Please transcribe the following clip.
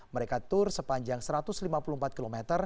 mereka tur sepanjang satu ratus lima puluh empat km